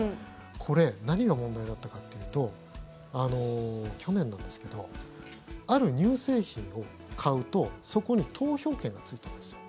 これ、何が問題だったかというと去年なんですけどある乳製品を買うとそこに投票券がついてるんですよ。